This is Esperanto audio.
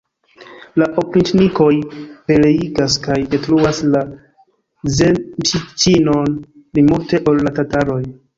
La opriĉnikoj pereigas kaj detruas la zemŝĉinon pli multe ol la tataroj.